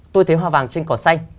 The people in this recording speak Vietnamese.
tôi thế hoa vàng trên còn xanh